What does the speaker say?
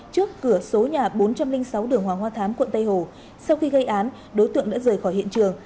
trước cửa số nhà bốn trăm linh sáu đường hoàng hoa thám quận tây hồ sau khi gây án đối tượng đã rời khỏi hiện trường